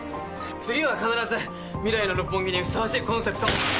次は必ず未来の六本木にふさわしいコンセプトを。